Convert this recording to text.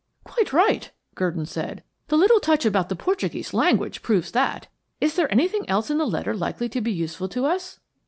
"Quite right," Gurdon said. "The little touch about the Portuguese language proves that. Is there anything else in the letter likely to be useful to us?"